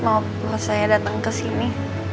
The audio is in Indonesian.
mau saya datang kesini